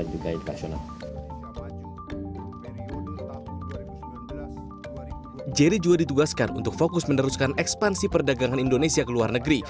jerry juga ditugaskan untuk fokus meneruskan ekspansi perdagangan indonesia ke luar negeri